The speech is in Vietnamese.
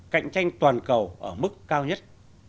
cạnh tranh toàn cầu ở mức cao nhất